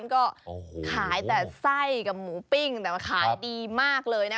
นี่คุณค่ะร้านก็ขายแต่ไส้กับหมูปิ้งแต่ขายดีมากเลยนะ